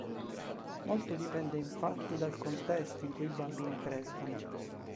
Molto dipende infatti dal contesto in cui i bambini crescono.